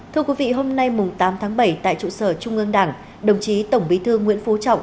thưa quý vị hôm nay tám tháng bảy tại trụ sở trung ương đảng đồng chí tổng bí thư nguyễn phú trọng